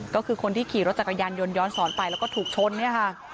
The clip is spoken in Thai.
ก็คือคนที่ขี่รถจักรยานยนต์ย้อนสอนไปแล้วก็ถูกชนเนี่ยค่ะ